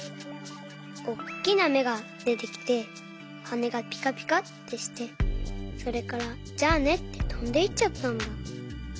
おっきなめがでてきてはねがぴかぴかってしてそれから「じゃあね」ってとんでいっちゃったんだ。